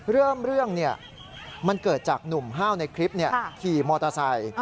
เรื่องเรื่องมันเกิดจากหนุ่มห้าวในคลิปขี่มอเตอร์ไซค์